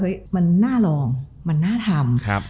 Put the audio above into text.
มันน่าลองมันน่าทำ